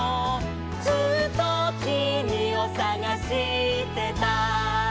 「ずっときみをさがしてた」